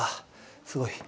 すごい。